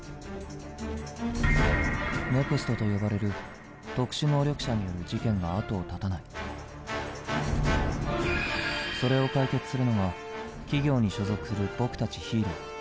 「ＮＥＸＴ」と呼ばれる特殊能力者による事件が後を絶たないそれを解決するのが企業に所属する僕たち「ヒーロー」。